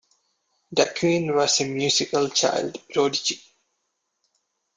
Daquin was a musical child prodigy.